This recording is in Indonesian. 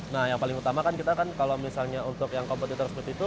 nah yang paling utama kan kita kan kalau misalnya untuk yang kompetitor seperti itu